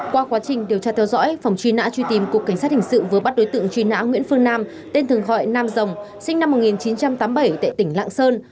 qua quá trình điều tra theo dõi phòng truy nã truy tìm cục cảnh sát hình sự vừa bắt đối tượng truy nã nguyễn phương nam tên thường gọi nam dòng sinh năm một nghìn chín trăm tám mươi bảy tại tỉnh lạng sơn